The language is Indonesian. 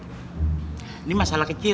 ini masalah kecil